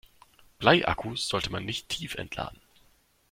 Bleiakkus sollte man nicht tiefentladen.